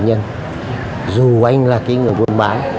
dù anh là cái người buôn mái dù anh là cái người mà gọi là sống